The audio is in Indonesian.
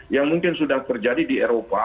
yang mungkin sudah terjadi di eropa